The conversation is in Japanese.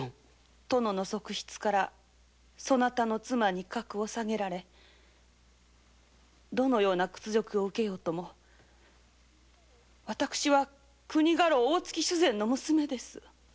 殿の側室からそなたの妻に格を下げられいかに屈辱を受けようとも私は国家老・大月主膳の娘です。